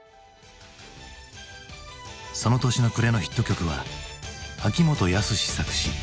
その年の暮れのヒット曲は秋元康作詞。